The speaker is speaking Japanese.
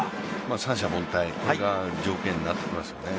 三者凡退が条件になってきますよね。